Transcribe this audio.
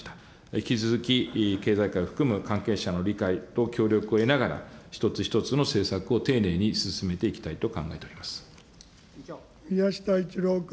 引き続き、経済界を含む関係者の理解と協力を得ながら、一つ一つの政策を丁寧に進めていきたいと宮下一郎君。